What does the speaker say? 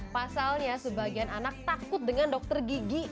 pasalnya sebagian anak takut dengan dokter gigi